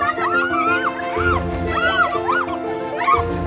aduh aduh aduh aduh